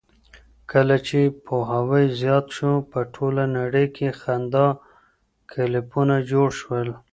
کله چې پوهاوی زیات شو، په ټوله نړۍ کې خندا کلبونه جوړ شول.